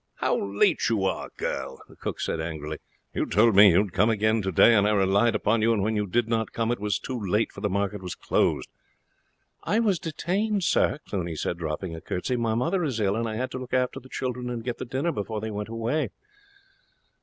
"How late you are, girl!" the cook said angrily. "You told me you would come again today, and I relied upon you, and when you did not come it was too late, for the market was closed." "I was detained, sir," Cluny said, dropping a curtsey; "my mother is ill, and I had to look after the children and get the dinner before they went away."